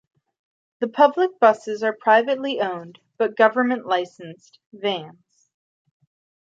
The public buses are privately owned, but government-licensed, vans.